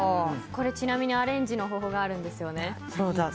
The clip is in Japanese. ちなみにアレンジの方法があるんですよね。